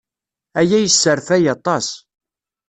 Aya yesserfay aṭas.